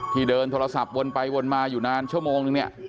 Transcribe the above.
เดินโทรศัพท์วนไปวนมาอยู่นานชั่วโมงนึงเนี่ย